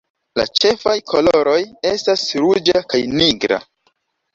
La ĉefaj koloroj estas ruĝa kaj nigra.